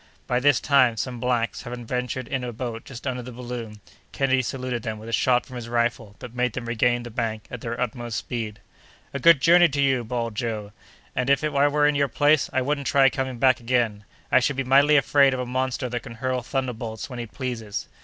By this time, some blacks, having ventured in a boat just under the balloon, Kennedy saluted them with a shot from his rifle, that made them regain the bank at their utmost speed. "A good journey to you," bawled Joe, "and if I were in your place, I wouldn't try coming back again. I should be mightily afraid of a monster that can hurl thunderbolts when he pleases."